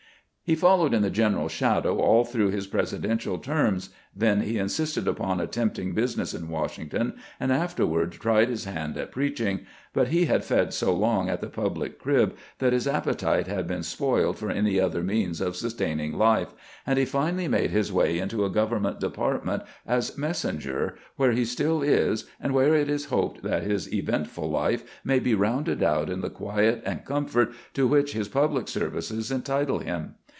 He followed in the general's shadow all through his Presidential terms, then he insisted upon attempting business in Washington, and afterward tried his hand at preaching; but he had fed so long at the public crib that his appetite had been spoiled for any other means of sustaining life, and he finally made his way into a government department as messenger, where he stUl is and where it is hoped that his eventful life may be rounded out in the quiet and comfort to which his public services entitle him.